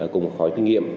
cùng khỏi kinh nghiệm